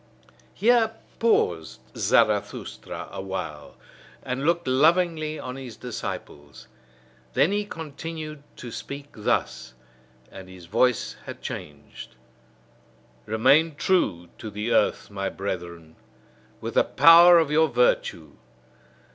Here paused Zarathustra awhile, and looked lovingly on his disciples. Then he continued to speak thus and his voice had changed: Remain true to the earth, my brethren, with the power of your virtue!